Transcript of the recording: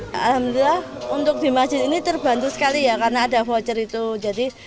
ya alhamdulillah untuk allah ini terbantu sekali ya karena ada voucher itu jadi